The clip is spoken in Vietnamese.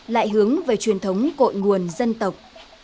lại hướng về truyền thống cội nguồn dân tộc